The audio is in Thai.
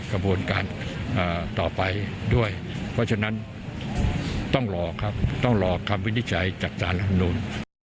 กระบวนการต่อไปด้วยเพราะฉะนั้นต้องรอครับต้องรอคำวินิจฉัยจากสารรัฐมนูล